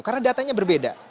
karena datanya berbeda